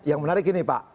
yang menarik ini pak